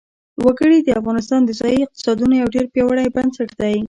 وګړي د افغانستان د ځایي اقتصادونو یو ډېر پیاوړی بنسټ دی.